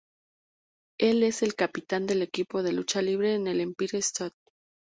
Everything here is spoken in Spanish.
Él es el capitán del equipo de lucha libre en el Empire State.